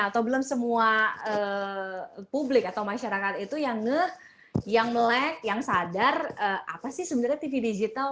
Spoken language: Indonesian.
atau belum semua publik atau masyarakat itu yang melek yang sadar apa sih sebenarnya tv digital